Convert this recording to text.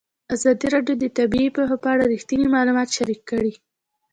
ازادي راډیو د طبیعي پېښې په اړه رښتیني معلومات شریک کړي.